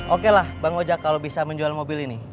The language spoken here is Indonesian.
oke lah bang oja kalau bisa menjual mobil ini